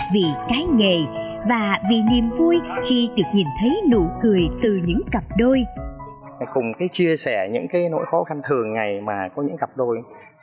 vì cái nghề và vì niềm vui khi được nhìn thấy nụ cười từ những cặp đôi